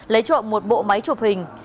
lấy trộm một bộ máy chụp hình